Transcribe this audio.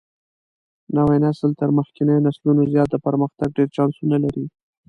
نوى نسل تر مخکېنيو نسلونو زيات د پرمختګ ډېر چانسونه لري.